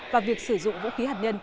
và việc sử dụng vũ khí hạt nhân